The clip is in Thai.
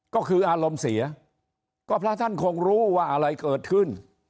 ก็คืออารมณ์เสียก็พระท่านคงรู้ว่าอะไรเกิดขึ้น